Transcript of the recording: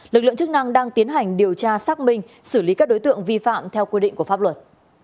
lực lượng chức năng đang tiến hành điều tra xác minh xử lý các đối tượng vi phạm theo quy định của pháp luật